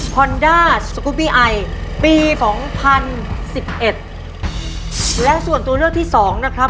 ฮอนด้าสกุปบี้ไอปีสองพันสิบเอ็ดและส่วนตัวเลือกที่สองนะครับ